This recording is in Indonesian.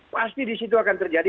pasti disitu akan terjadi